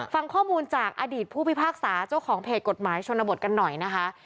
ฟังข้อมูลจากอดีตผู้พิพากษาเจ้าของเพจกฎหมายชนบทกันหน่อยนะคะ